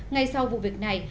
ngay sau vụ việc này